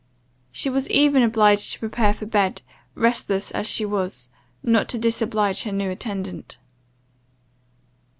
She was even obliged to prepare for bed, restless as she was, not to disoblige her new attendant.